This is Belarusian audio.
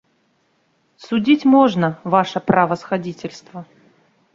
Судзіць можна, ваша правасхадзіцельства.